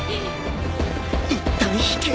いったん引け。